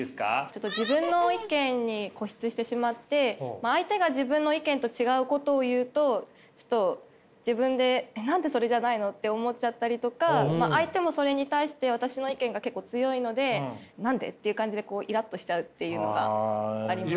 ちょっと自分の意見に固執してしまって相手が自分の意見と違うことを言うとちょっと自分で何でそれじゃないの？って思っちゃったりとか相手もそれに対して私の意見が結構強いので何で？っていう感じでイラッとしちゃうっていうのがあります。